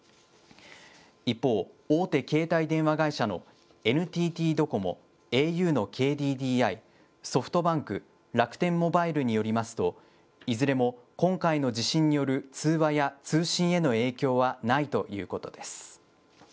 一方、大手携帯電話会社のＮＴＴドコモ、ａｕのＫＤＤＩ、ソフトバンク、楽天モバイルによりますと、いずれも今回の地震による通話や通信への影響はないということです。